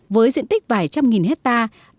với diện tích vài trăm nghìn hectare